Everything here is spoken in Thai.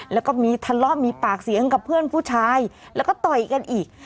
แล้วก็มีทะเลาะมีปากเสียงกับเพื่อนผู้ชายแล้วก็ต่อยกันอีก